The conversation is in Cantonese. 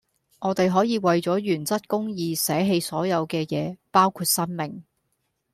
我地可以為左原則公義捨棄所有既野包括生命